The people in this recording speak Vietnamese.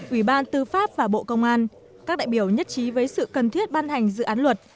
ủy ban tư pháp và bộ công an các đại biểu nhất trí với sự cần thiết ban hành dự án luật